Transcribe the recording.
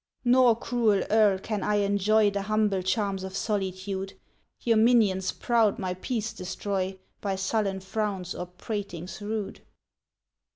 "Nor, cruel Earl! can I enjoy The humble charms of solitude; Your minions proud my peace destroy, By sullen frowns or pratings rude.